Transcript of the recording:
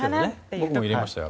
僕も入れましたよ